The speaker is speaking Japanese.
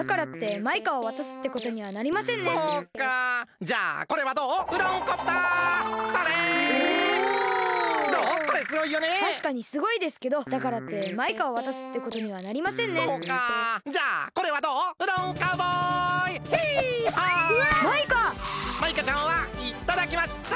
マイカちゃんはいっただきました！